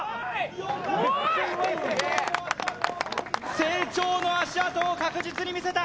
成長の足跡を確実に見せた！